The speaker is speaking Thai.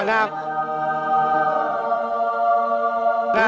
สง่างงาม